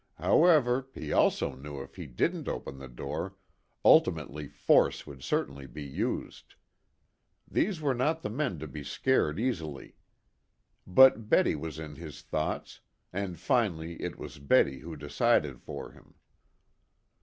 However, he also knew if he didn't open the door, ultimately force would certainly be used. These were not the men to be scared easily. But Betty was in his thoughts, and finally it was Betty who decided for him.